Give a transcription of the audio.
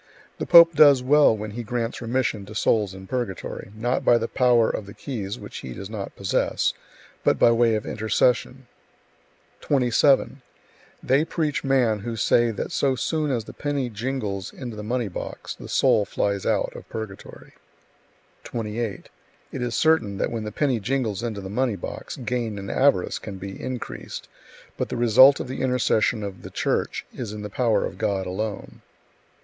The pope does well when he grants remission to souls [in purgatory], not by the power of the keys (which he does not possess), but by way of intercession. 27. They preach man who say that so soon as the penny jingles into the money box, the soul flies out [of purgatory]. 28. It is certain that when the penny jingles into the money box, gain and avarice can be increased, but the result of the intercession of the Church is in the power of God alone.